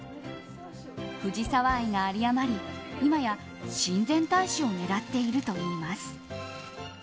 藤沢愛があり余り、今や親善大使を狙っているといいます。